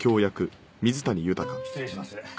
失礼します。